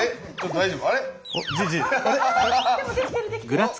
大丈夫？